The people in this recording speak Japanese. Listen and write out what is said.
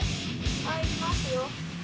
帰りますよ。